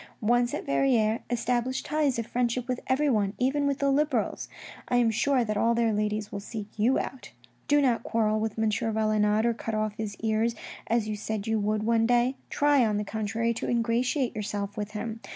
Once at Verrieres, establish ties of friendship with everyone, even with the Liberals. I am sure that all their ladies will seek you out. " Do not quarrel with M. Valenod, or cut off his ears, as you said you would one day. Try, on the contrary, to ingratiate yourself with him.